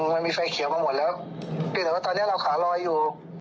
มันมีไฟเขลียมมาหมดแล้วแต่ถ้าว่าตอนนี้เราขาลอยอยู่